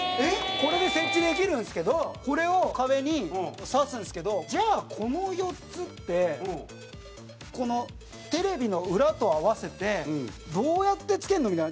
これで設置できるんですけどこれを壁に挿すんですけどじゃあ、この４つってこのテレビの裏と合わせてどうやって付けるの？みたいな。